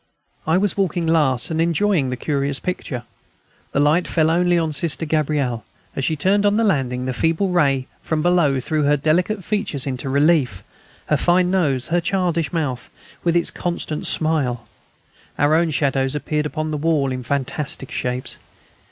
I was walking last and enjoying the curious picture. The light fell only on Sister Gabrielle. As she turned on the landing, the feeble ray from below threw her delicate features into relief: her fine nose, her childish mouth, with its constant smile; our own shadows appeared upon the wall in fantastic shapes.